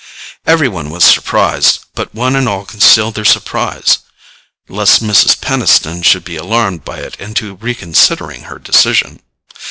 Every one was surprised, but one and all concealed their surprise, lest Mrs. Peniston should be alarmed by it into reconsidering her decision.